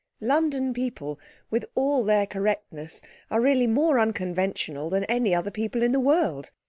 London people, with all their correctness, are really more unconventional than any other people in the world.